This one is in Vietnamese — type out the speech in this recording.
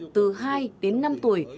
từ hai đến năm tuổi